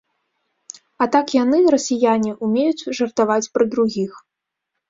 А так яны, расіяне, умеюць жартаваць пра другіх.